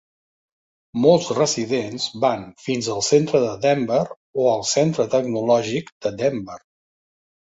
Molts residents van fins al centre de Denver o al centre tecnològic de Denver.